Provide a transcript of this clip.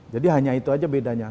jadi hanya itu saja bedanya